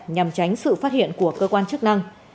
nhằm tránh sự phát hiện của cơ quan chức năng